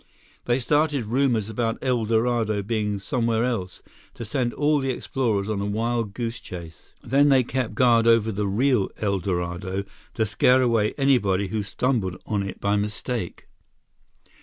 They started rumors about El Dorado being somewhere else, to send all the explorers on a wild goose chase. Then they kept guard over the real El Dorado to scare away anybody who stumbled on it by mistake."